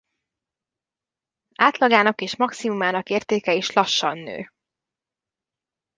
Átlagának és maximumának értéke is lassan nő.